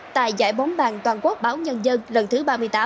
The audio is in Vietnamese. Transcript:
tại giải bóng bàn toàn quốc báo nhân dân lần thứ ba mươi tám